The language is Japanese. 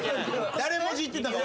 誰もじってたか。